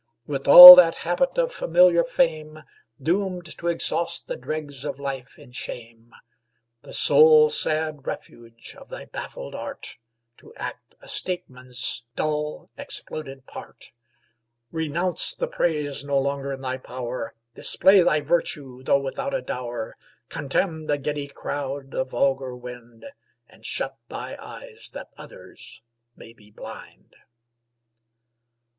With all that habit of familiar fame, Doomed to exhaust the dregs of life in shame! The sole sad refuge of thy baffled art To act a stateman's dull, exploded part, Renounce the praise no longer in thy power, Display thy virtue, though without a dower, Contemn the giddy crowd, the vulgar wind, And shut thy eyes that others may be blind.